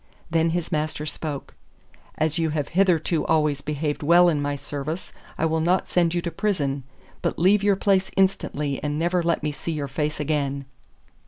Then his master spoke. 'As you have hitherto always behaved well in my service I will not send you to prison; but leave your place instantly and never let me see your face again.